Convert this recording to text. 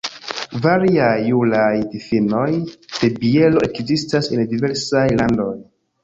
Variaj juraj difinoj de biero ekzistas en diversaj landoj.